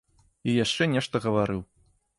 І яшчэ нешта гаварыў.